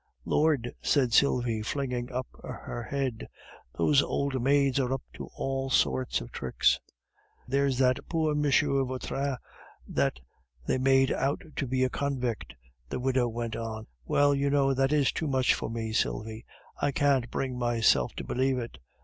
"Lord!" said Sylvie, flinging up her head, "those old maids are up to all sorts of tricks." "There's that poor M. Vautrin that they made out to be a convict," the widow went on. "Well, you know that is too much for me, Sylvie; I can't bring myself to believe it.